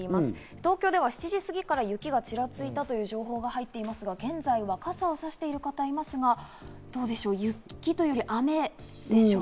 東京では７時過ぎから雪がちらついたという情報が入っていますが現在は傘をさしている方がいますが、雪というより雨でしょうか？